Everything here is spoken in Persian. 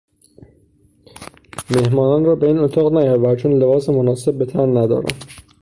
مهمانان را به این اتاق نیاور چون لباس مناسب به تن ندارم.